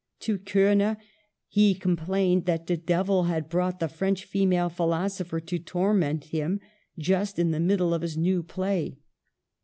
* To Korner he complained that the devil had * brought the French female philosopher to tor ment him just in the middle of his new play.